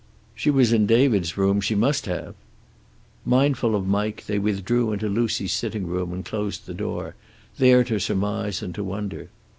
"She was in David's room. She must have." Mindful of Mike, they withdrew into Lucy's sitting room and closed the door, there to surmise and to wonder.